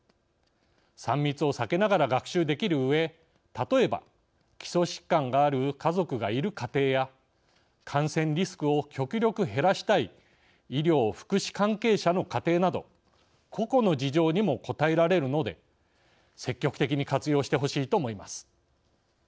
３密を避けながら学習できるうえ例えば基礎疾患がある家族がいる家庭や感染リスクを極力減らしたい医療・福祉関係者の家庭など個々の事情にも応えられるので積極的に活用してほしいと思います。